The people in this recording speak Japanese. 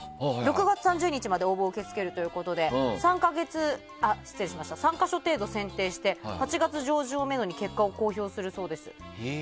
６月３０日まで応募を受け付けるということで３か所程度、選定して８月上旬をめどに結果を公表するそうです。